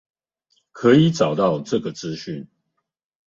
可以找到這個資訊